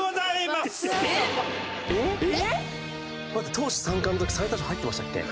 投手３冠の時最多勝入ってましたっけ？